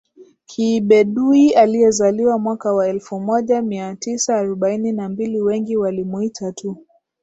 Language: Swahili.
Kibedui aliyezaliwa mwaka wa elfu moja mia tisa arobaini na mbiliWengi walimuita tu